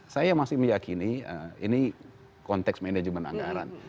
saya masih meyakini ini konteks manajemen anggaran